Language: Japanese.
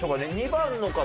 ２番の方。